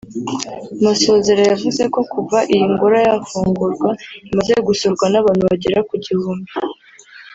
Masozera yavuze ko kuva iyi ngoro yafungurwa imaze gusurwa n’abantu bagera ku gihumbi